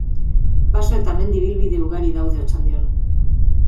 Baso eta mendi ibilbide ugari daude Otxandion.